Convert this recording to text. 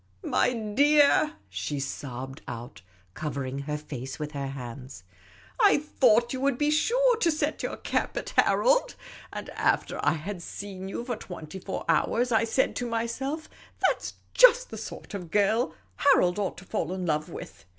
" My dear," she sobbed out, covering her face with her hands, " I thought you would be sure to set your cap at Harold ; and after I had seen you for twenty four hours, I said to myself, ' That's just the sort of girl Harold ought to fall in love with.'